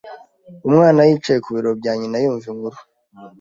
Umwana yicaye ku bibero bya nyina yumva inkuru.